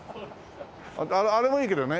あれもいいけどね。